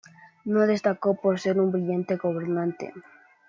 No destacó por ser un brillante gobernante.